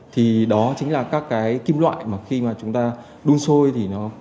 thì đó chính là các kim loại mà khi chúng ta đun sôi